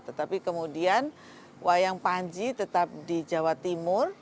tetapi kemudian wayang panji tetap di jawa timur